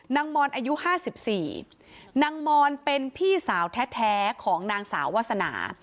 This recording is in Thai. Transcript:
มอนอายุ๕๔นางมอนเป็นพี่สาวแท้ของนางสาววาสนา